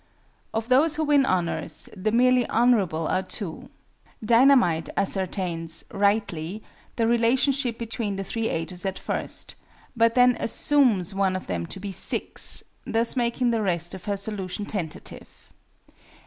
Of those who win honours, the merely "honourable" are two. DINAH MITE ascertains (rightly) the relationship between the three ages at first, but then assumes one of them to be "6," thus making the rest of her solution tentative.